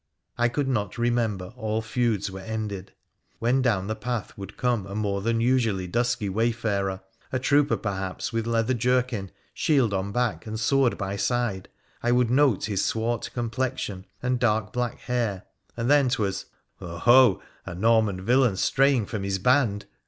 I could not remember all feuds were ended. When down the path would come a more than usually dusky wayfarer — a trooper, perhaps, with leather jerkin, shield on back, and sword by side — I would note his swart complexion and dark black hair, and then 'twas ' Ho ! ho ! a Norman villain straying from his band